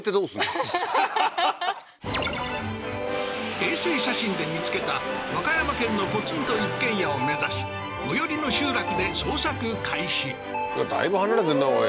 衛星写真で見つけた和歌山県のポツンと一軒家を目指し最寄りの集落で捜索開始だいぶ離れてるなおい